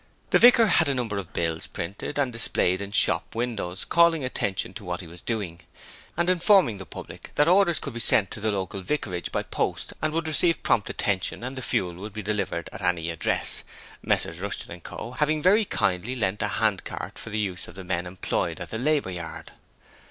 The Vicar had a number of bills printed and displayed in shop windows calling attention to what he was doing, and informing the public that orders could be sent to the Vicarage by post and would receive prompt attention and the fuel could be delivered at any address Messrs Rushton & Co. having very kindly lent a handcart for the use of the men employed at the Labour Yard.